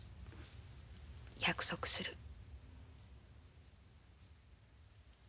約束する。